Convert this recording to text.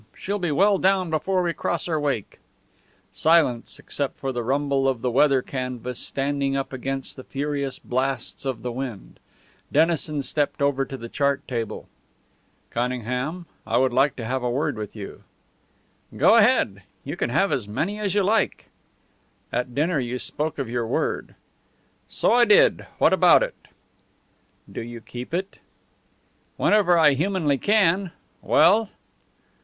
She'll be well down before we cross her wake." Silence except for the rumble of the weather canvas standing up against the furious blasts of the wind. Dennison stepped over to the chart table. "Cunningham, I would like to have a word with you." "Go ahead. You can have as many as you like." "At dinner you spoke of your word." "So I did. What about it?" "Do you keep it?" "Whenever I humanly can. Well?"